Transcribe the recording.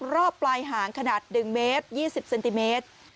รอบปลายหางขนาด๑เมตร๒๐เซนติเมตร